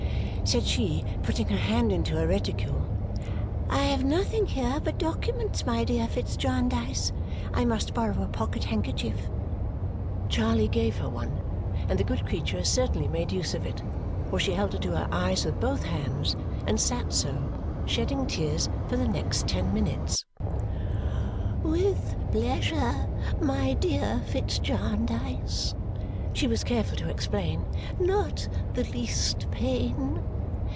said she, putting her hand into her reticule, "I have nothing here but documents, my dear Fitz Jarndyce; I must borrow a pocket handkerchief." Charley gave her one, and the good creature certainly made use of it, for she held it to her eyes with both hands and sat so, shedding tears for the next ten minutes. "With pleasure, my dear Fitz Jarndyce," she was careful to explain. "Not the least pain.